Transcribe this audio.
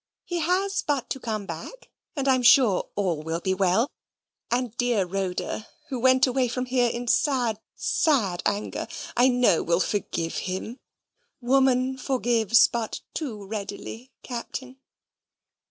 He has but to come back, and I'm sure all will be well; and dear Rhoda, who went away from here in sad sad anger, I know will forgive him. Woman forgives but too readily, Captain."